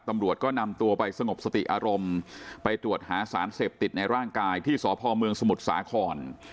ตำรวจก็นำตัวไปสงบสติอารมณ์ไปตรวจหาสารเสพติดในร่างกายที่สพเมืองสมุทรสาคร